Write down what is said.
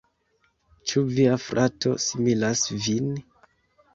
Ĉu via frato similas vin?